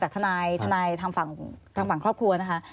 จากธนายธนายทางฝั่งทางฝั่งครอบครัวนะฮะ